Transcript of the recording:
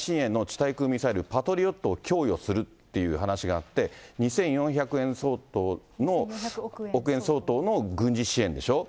対空ミサイル、パトリオットを供与するっていう話があって、２４００億円相当の軍事支援でしょ。